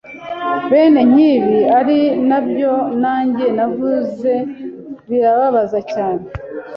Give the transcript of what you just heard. Bene nk’ibi ari nabyo nanjye navuze birababaza cyane